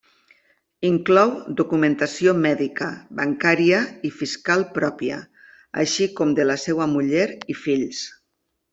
Inclou documentació mèdica, bancària i fiscal pròpia, així com de la seva muller i fills.